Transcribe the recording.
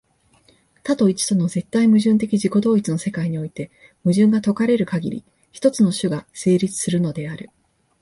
多と一との絶対矛盾的自己同一の世界において、矛盾が解かれるかぎり、一つの種が成立するのである。